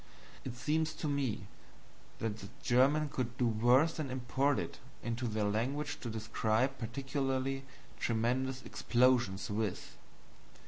It seems to me that the Germans could do worse than import it into their language to describe particularly tremendous explosions with.